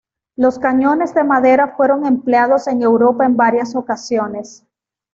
Los cañones de madera fueron empleados en Europa en varias ocasiones.